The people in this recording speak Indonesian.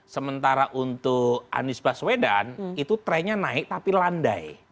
sementara untuk anies baswedan itu trennya naik tapi landai